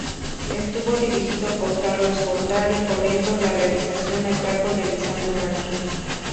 Estuvo dirigido por Carlos Gortari, corriendo la realización a cargo de Lisardo García.